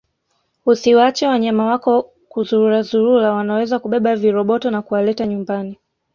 Usiwaache wanyama wako kuzururazurura wanaweza kubeba viroboto na kuwaleta nyumbani